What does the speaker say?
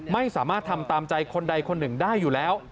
ไม่สามารถทำตามใจคนใดคนหนึ่งได้อยู่แล้ว